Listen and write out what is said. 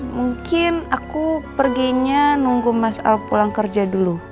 mungkin aku perginya nunggu mas alp pulang kerja dulu